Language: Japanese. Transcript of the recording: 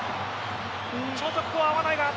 ちょっとここは合わないが。